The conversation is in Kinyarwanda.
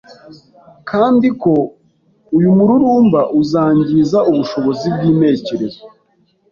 kandi ko uyu mururumba uzangiza ubushobozi bw’intekerezo.